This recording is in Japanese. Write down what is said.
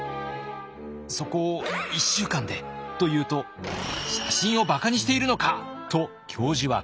「そこを１週間で」と言うと「写真を馬鹿にしているのか！」と教授はカンカン。